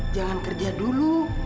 jangan kerja dulu